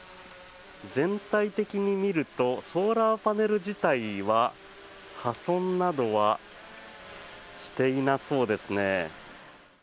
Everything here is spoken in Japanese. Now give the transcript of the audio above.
全体的に見るとソーラーパネル自体は破損などはしていなそうですね。